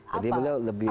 jadi beliau lebih